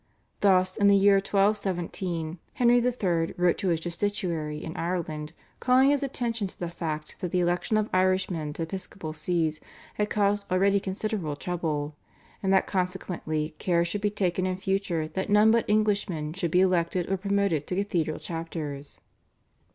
Thus, in the year 1217 Henry III. wrote to his Justiciary in Ireland calling his attention to the fact that the election of Irishmen to episcopal Sees had caused already considerable trouble, and that consequently, care should be taken in future that none but Englishmen should be elected or promoted to cathedral chapters.